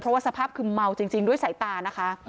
เพราะว่าสภาพคือเมาจริงด้วยสายตานะคะ